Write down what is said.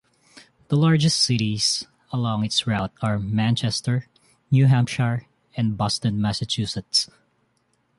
The largest cities along its route are Manchester, New Hampshire and Boston, Massachusetts.